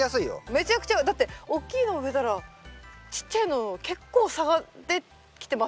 めちゃくちゃだって大きいの植えたらちっちゃいの結構差ができてましたよね。